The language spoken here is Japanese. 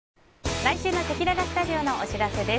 来週のせきららスタジオのお知らせです。